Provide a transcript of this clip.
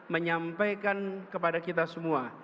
menyampaikan kepada kita semua